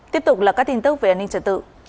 tiếp tục là các tin tức về an ninh trật tự